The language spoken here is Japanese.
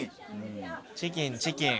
チキンチキン。